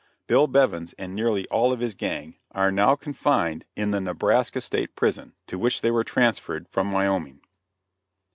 Bill Bevins and nearly all of his gang are now confined in the Nebraska state prison, to which they were transferred, from Wyoming.